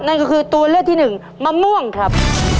นั่นก็คือตัวเลือกที่หนึ่งมะม่วงครับ